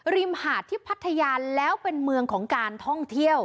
มหาดที่พัทยาแล้วเป็นเมืองของการท่องเที่ยว